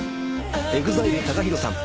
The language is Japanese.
ＥＸＩＬＥＴＡＫＡＨＩＲＯさん。